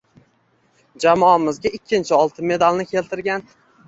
Jamoamizga ikkinchi oltin medalini keltirgan